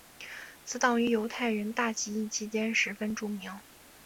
此党于犹太人大起义期间十分著名。